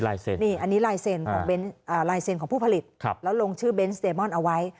อันนี้ลายเซ็นของลายเซ็นต์ของผู้ผลิตแล้วลงชื่อเบนส์เดมอนเอาไว้